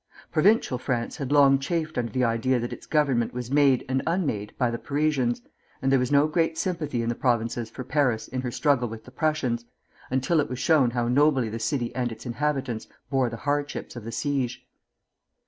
Provincial France had long chafed under the idea that its government was made and unmade by the Parisians, and there was no great sympathy in the Provinces for Paris in her struggle with the Prussians, until it was shown how nobly the city and its inhabitants bore the hardships of the siege.